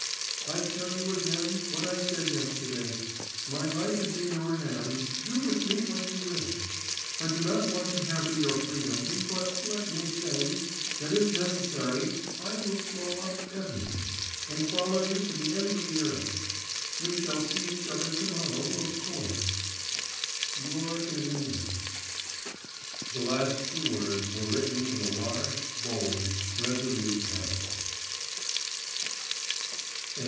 I tell you again what I said yesterday: my life is in your hands, do with me what you will. I do not want to hamper your freedom, but let me say, that if necessary, I will throw up everything, and follow you to the ends of the earth. We shall see each other to morrow, of course. Your Irina.' The last two words were written in a large, bold, resolute hand.